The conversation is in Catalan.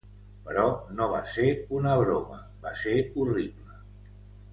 Però no va ser una broma, va ser horrible.